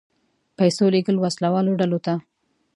پیسو لېږل وسله والو ډلو ته.